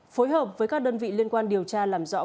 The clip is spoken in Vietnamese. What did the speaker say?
phối hợp với các đơn vị liên quan điều tra